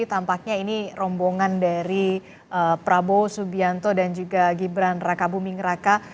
tampaknya ini rombongan dari prabowo subianto dan juga gimbran rakabumingra